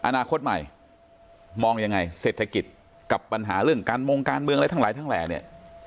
อนาคตใหม่มองยังไงเศรษฐกิจกับปัญหาเรื่องการมงการเมืองอะไรทั้งหลายทั้งแหล่เนี่ย